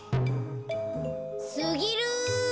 すぎる！